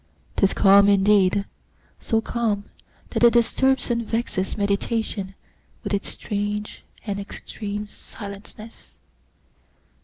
'Tis calm indeed! so calm, that it disturbs And vexes meditation with its strange And extreme silentness.